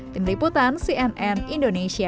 peneriputan cnn indonesia